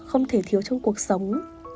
không thể thiếu trong cuộc sống